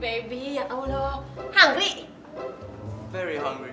baby ya allah hungry